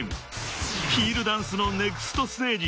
［ヒールダンスのネクストステージ